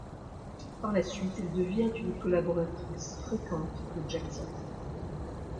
Par la suite, elle devient une collaboratrice fréquente de Jackson.